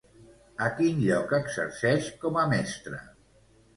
A quin lloc exerceix com a mestra?